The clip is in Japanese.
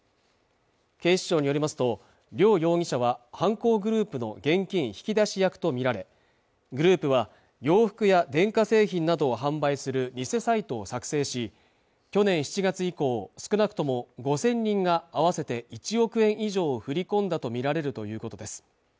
警視庁によりますと梁容疑者は犯行グループの現金引き出し役とみられグループは洋服や電化製品などを販売する偽サイトを作成し去年７月以降少なくとも５０００人が合わせて１億円以上を振り込んだとみられるということです